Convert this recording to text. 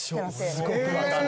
一緒すごく分かる。